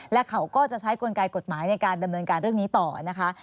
และเขาก็จะใช้กลไกกฎหมายในการดำเนินการเรื่องนี้ต่อนะคะ